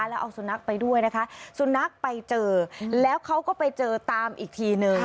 แล้วเอาสุนัขไปด้วยนะคะสุนัขไปเจอแล้วเขาก็ไปเจอตามอีกทีนึง